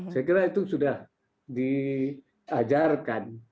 saya kira itu sudah diajarkan